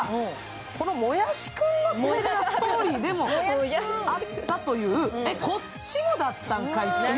このもやしくんのシンデレラストーリーでもあったという、え、こっちもだったいかいと。